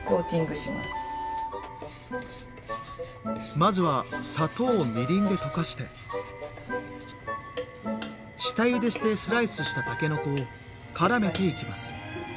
まずは砂糖をみりんで溶かして下ゆでしてスライスしたたけのこをからめていきます。